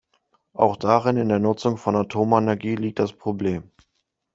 Auch darin, in der Nutzung von Atomenergie, liegt das Problem.